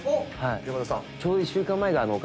山田さん。